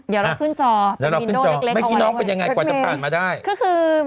เดี๋ยวเราขึ้นจอเป็นวินโดเล็กเอาไว้ไว้จ๊ะเมย์จ๊ะเมย์คือคือ